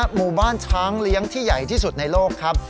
หมู่บ้านช้างเลี้ยงที่ใหญ่ที่สุดในโลกครับ